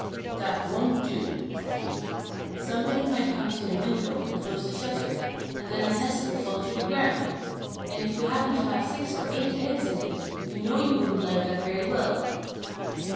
"That won't do," said he. "Somebody might come to the window and close the shutter; and then our nest would fall to the ground. And if we happened to have six or eight eggs in it, you know you wouldn't like that very well."